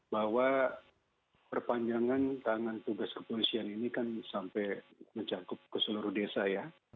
bahwa perpanjangan tangan tugas kepolisian ini kan sampai mencakup ke seluruh desa ya